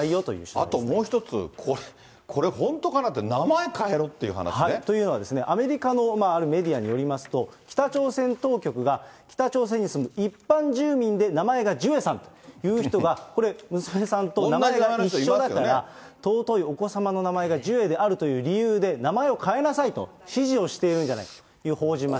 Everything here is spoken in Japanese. あともう一つ、これ本当かなと、というのは、アメリカのあるメディアによりますと、北朝鮮当局が北朝鮮に住む一般住民で名前がジュエさんという人が、これ、娘さんと名前が一緒だから、尊いお子様の名前がジュエであるという理由で、名前を変えなさいと指示をしているんじゃないかと報じました。